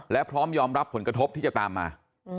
และพร้อมยอมรับผลกระทบที่จะตามมา